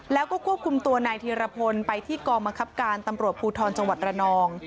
แล้วก็ควบคุมตัวนายธีรพลไปที่กองบังคับการตำรวจภูทรจังหวัดระนอง